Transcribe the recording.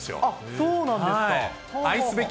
そうなんですか。